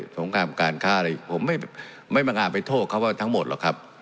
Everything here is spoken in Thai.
งครามการค้าอะไรผมไม่บังคับไปโทษเขาว่าทั้งหมดหรอกครับ